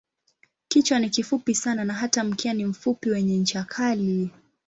Kichwa ni kifupi sana na hata mkia ni mfupi wenye ncha kali.